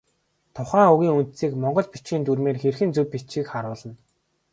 Тухайн үгийн үндсийг монгол бичгийн дүрмээр хэрхэн зөв бичихийг харуулна.